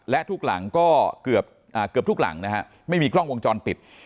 และทุกหลังก็เกือบทุกหลังนะฮะไม่มีกล้องวงจรปิด